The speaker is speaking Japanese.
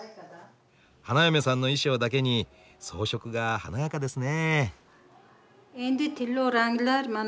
花嫁さんの衣装だけに装飾が華やかですね。